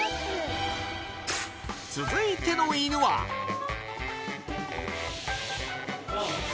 続いての犬はえ！